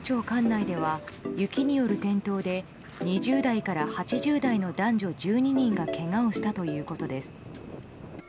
管内では雪による転倒で２０代から８０代の男女１２人がけがをしたということです。